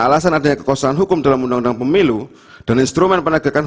alasan adanya kekuasaan hukum dalam undang undang pemilu dan instrumen penegakan hukum